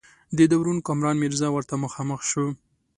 د ده ورور کامران میرزا ورته مخامخ شو.